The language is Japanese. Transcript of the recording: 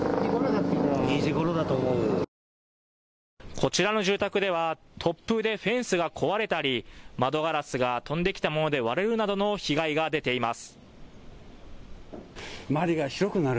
こちらの住宅では突風でフェンスが壊れたり窓ガラスが飛んできた物で割れるなどの被害が出ています。